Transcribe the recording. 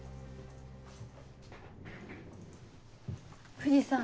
藤さん。